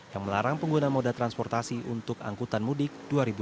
yang melarang pengguna moda transportasi untuk angkutan mudik dua ribu dua puluh